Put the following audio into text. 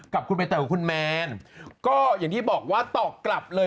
กับคุณใบเตยกับคุณแมนก็อย่างที่บอกว่าตอบกลับเลย